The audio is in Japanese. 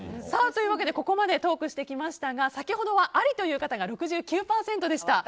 ここまでトークしてきましたが先ほどはありという方が６９％でした。